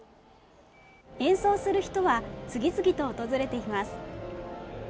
演奏する人は次々と訪れています。